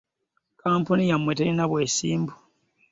Kkampuni yammwe terina bwesimbu.